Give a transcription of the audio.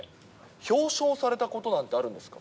表彰されたことなんてあるんですか？